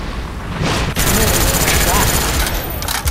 It's the only name I've got.